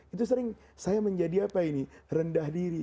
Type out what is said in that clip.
itu sering saya menjadi apa ini rendah diri